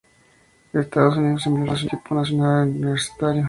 Estados Unidos envió a su equipo nacional universitario.